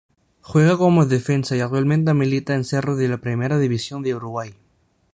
Juega como Defensa y actualmente milita en Cerro de la Primera División de Uruguay.